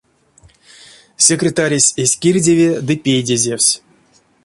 Секретаресь эзь кирдеве ды пейдезевсь.